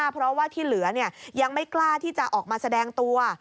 เพราะว่าที่เหลือยังไม่กล้าที่จะออกมาแสดงตัว